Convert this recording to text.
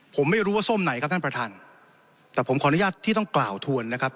ผมไม่รู้ว่าส้มไหนครับท่านประธานแต่ผมขออนุญาตที่ต้องกล่าวทวนนะครับ